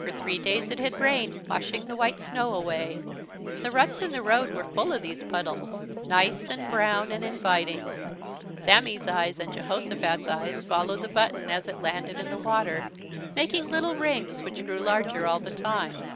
For three days it had rained, washing the white snow away. The ruts in the road were full of these puddles, nice and brown and inviting. Sammy's eyes and Jehosophat's eyes followed the button as it landed in the water, making little rings which grew larger all the time.